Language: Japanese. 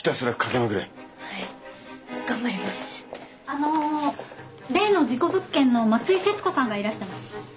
あの例の事故物件の松井節子さんがいらしてます。